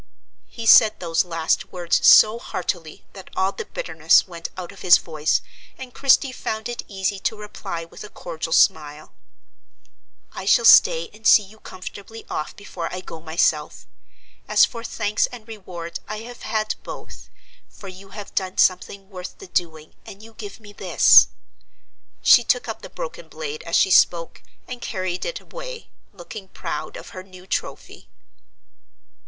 He said those last words so heartily that all the bitterness went out of his voice, and Christie found it easy to reply with a cordial smile: "I shall stay and see you comfortably off before I go myself. As for thanks and reward I have had both; for you have done something worth the doing, and you give me this." She took up the broken blade as she spoke, and carried it away, looking proud of her new trophy.